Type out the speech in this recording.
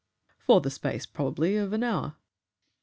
"For the space, probably, of an hour."